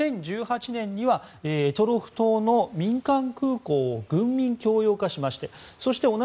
２０１８年には択捉島の民間空港を軍民共用化しましてそして